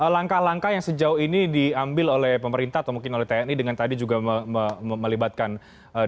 langkah langkah yang sejauh ini diambil oleh pemerintah atau mungkin oleh tni dengan tadi juga melibatkan tni